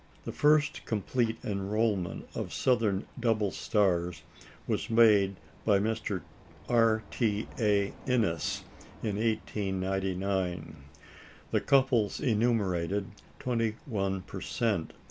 The first complete enrolment of southern double stars was made by Mr. R. T. A. Innes in 1899. The couples enumerated, twenty one per cent.